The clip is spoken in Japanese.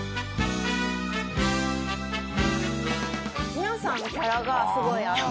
「皆さんキャラがすごいあって。